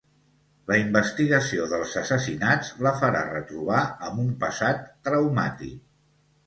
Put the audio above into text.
La investigació dels assassinats la farà retrobar amb un passat traumàtic.